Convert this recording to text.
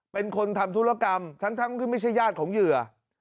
เป็นคนทำธุรกรรมทั้งที่ไม่ใช่ญาติของเหยื่อ